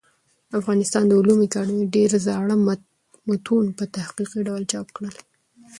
د افغانستان د علومو اکاډمۍ ډېر زاړه متون په تحقيقي ډول چاپ کړل.